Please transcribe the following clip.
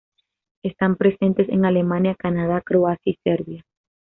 Están presentes en Alemania, Canadá, Croacia y Serbia.